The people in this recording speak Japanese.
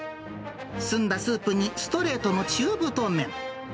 澄んだスープにストレートの中太麺。